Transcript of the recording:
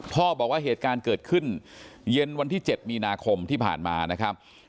พ่อบอกว่าเหตุการณ์เกิดขึ้นเย็นวันที่๗มีนาคมที่ผ่านมานะครับ